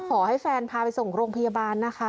ขอให้แฟนพาไปส่งโรงพยาบาลนะคะ